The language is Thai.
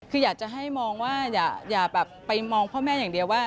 คืออยากจะให้มองว่าอย่าแบบไปมองพ่อแม่อย่างเดียวว่า